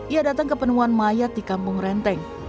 ia datang ke penemuan mayat di kampung renteng